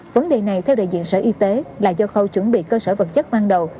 vấn đề này theo đại diện sở y tế là do khâu chuẩn bị cơ sở vật chất ban đầu